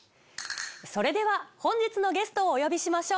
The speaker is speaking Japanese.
それでは本日のゲストをお呼びしましょう。